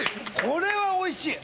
これはおいしい。